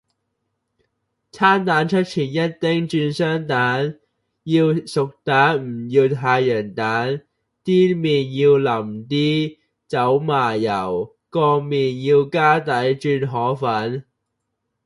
餐蛋出前一丁轉雙蛋，要熟蛋唔要太陽蛋，啲麵要淋啲，走麻油，個麵要加底轉河粉